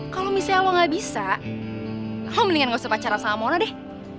kalo miss yau gak bisa lo mendingan gak usah pacaran sama mona deh